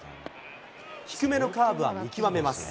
低めのカーブは見極めます。